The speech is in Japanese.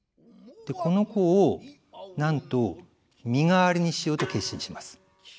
この子をなんと身代わりにしようと決心します。